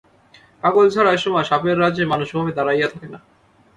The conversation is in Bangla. পাগল ছাড়া এসময় সাপের রাজ্যে মানুষ ওভাবে দাড়াইয়া থাকে না।